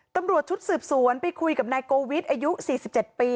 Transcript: ตำรวจชุดสืบสวนไปคุยกับนายโกวิทอายุ๔๗ปี